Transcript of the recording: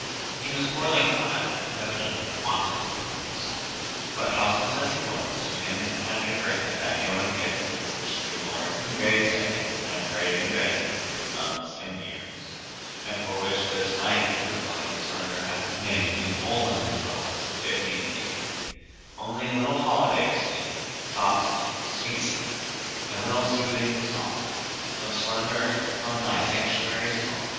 He was poorly clad, and evidently a wanderer on the earth; but, houseless as he was, to him had been granted that healing gift which the great lord who gazed at him had prayed for in vain for months and years, and for which this night he was willing to surrender half nay, the whole of his wealth, if needs be Only a little holiday of sleep, Soft sleep, sweet sleep; a little soothing psalm, Of slumber from Thy sanctuaries of calm.